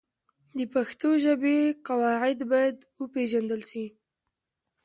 د پښتو ژبې قواعد باید وپېژندل سي.